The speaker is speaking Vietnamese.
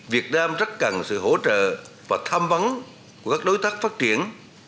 việt nam rất cần sự hỗ trợ và tham vấn của các đối tác phát triển